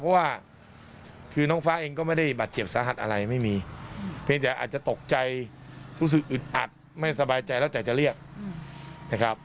เพราะว่าคือน้องฟ้าเองก็ไม่ได้บาดเจ็บสาหัสอะไรไม่มีเพียงแต่อาจจะตกใจรู้สึกอึดอัดไม่สบายใจแล้วแต่จะเรียกนะครับ